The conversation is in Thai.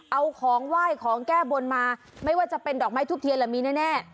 เอาของไหว้ของแก้บนมาไม่ว่าจะเป็นดอกไม้ทุบเทียนละมีแน่